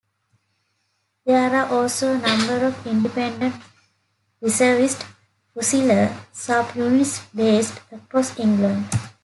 There are also a number of independent Reservist Fusilier sub-units based across England.